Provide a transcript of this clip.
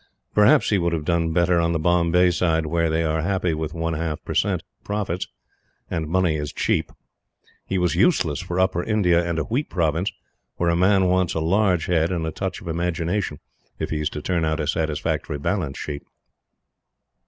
Perhaps he would have done better on the Bombay side, where they are happy with one half per cent. profits, and money is cheap. He was useless for Upper India and a wheat Province, where a man wants a large head and a touch of imagination if he is to turn out a satisfactory balance sheet.